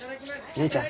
姉ちゃん。